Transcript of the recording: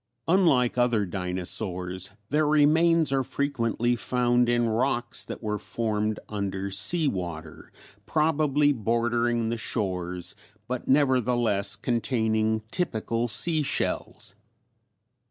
Unlike other dinosaurs their remains are frequently found in rocks that were formed under sea water probably bordering the shores but nevertheless containing typical sea shells.